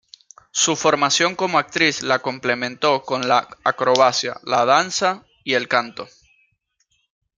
Su formación como actriz la complementó con la acrobacia, la danza y el canto.